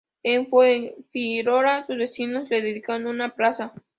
En Fuengirola sus vecinos le dedicaron una plaza.